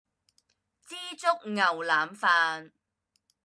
枝竹牛腩飯